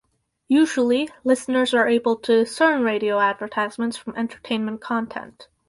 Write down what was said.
Usually, listeners are able to discern radio advertisements from entertainment content.